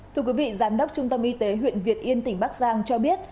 thưa quý vị giám đốc trung tâm y tế huyện việt yên tỉnh bắc giang cho biết